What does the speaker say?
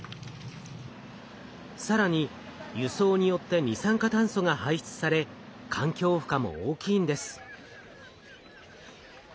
更に輸送によって二酸化炭素が排出され環境負荷も大きいんです。